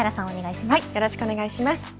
海よろしくお願いします。